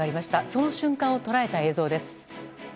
その瞬間を捉えた映像です。